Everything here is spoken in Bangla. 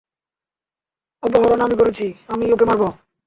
অপহরণ আমি করেছি, আমিই ওকে মারব।